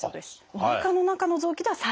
おなかの中の臓器では最大。